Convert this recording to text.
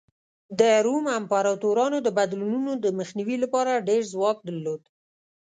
د روم امپراتورانو د بدلونونو د مخنیوي لپاره ډېر ځواک درلود